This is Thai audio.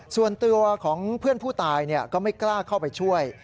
ส่วนตัวของเพื่อนผู้ตายก็ไม่กล้าเข้าไปช่วย